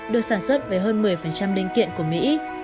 được sản xuất với hơn một mươi linh kiện của mỹ